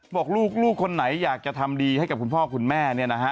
บอกลูกคนไหนอยากจะทำดีให้กับคุณพ่อคุณแม่เนี่ยนะฮะ